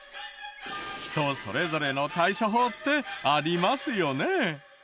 人それぞれの対処法ってありますよね？